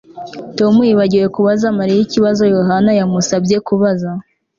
tom yibagiwe kubaza mariya ikibazo yohana yamusabye kubaza